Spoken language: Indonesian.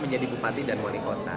menjadi bupati dan wali kota